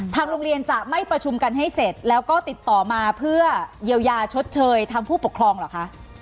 โรงเรียนจะไม่ประชุมกันให้เสร็จแล้วก็ติดต่อมาเพื่อเยียวยาชดเชยทางผู้ปกครองเหรอคะ